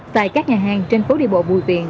tại các nhà hàng trên phố đi bộ bùi viện